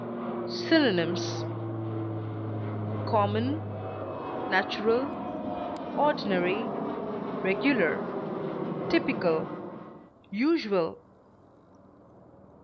Synonyms: common, natural, ordinary, regular, typical, usual.